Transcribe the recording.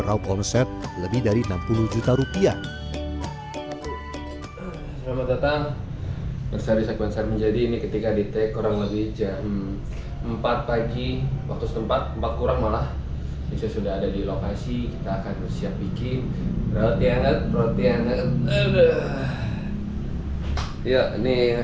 tapi sudah disuruh olahraga